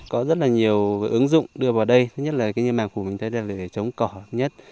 có rất là nhiều ứng dụng đưa vào đây nhất là cái nhân màng của mình đây là để chống cỏ nhất